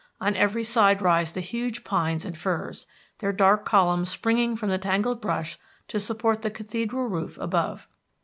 On every side rise the huge pines and firs, their dark columns springing from the tangled brush to support the cathedral roof above.